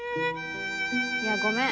いやごめん